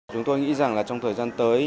chúng tôi nghĩ rằng trong thời gian tới